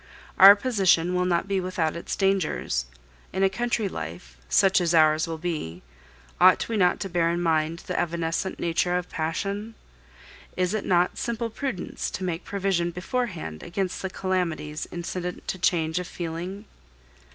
Our position will not be without its dangers; in a country life, such as ours will be, ought we not to bear in mind the evanescent nature of passion? Is it not simple prudence to make provision beforehand against the calamities incident to change of feeling?"